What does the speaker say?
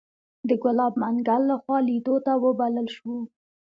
د ګلاب منګل لخوا لیدو ته وبلل شوو.